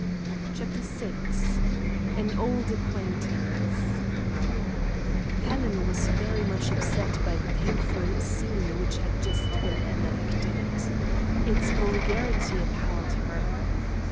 CHAPTER VI AN OLD ACQUAINTANCE Helen was very much upset by the painful scene which had just been enacted. Its vulgarity appalled her.